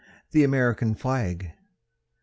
THE AMERICAN FLAG. I.